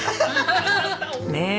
ねえ。